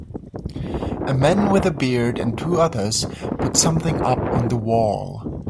A man with a beard and two others put something up on the wall.